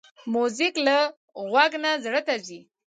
موزیک له غوږ نه زړه ته ځي.